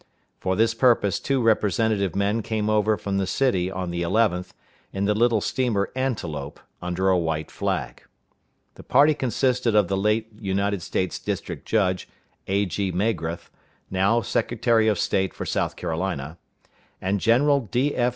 For this purpose two representative men came over from the city on the 11th, in the little steamer Antelope, under a white flag. The party consisted of the late United States district judge, A.G. Magrath, now Secretary of State for South Carolina, and General D.F.